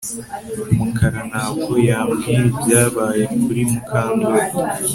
Mukara ntabwo yambwira ibyabaye kuri Mukandoli